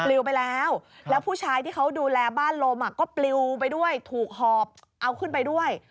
ลิวไปแล้วแล้วผู้ชายที่เขาดูแลบ้านลมก็ปลิวไปด้วยถูกหอบเอาขึ้นไปด้วย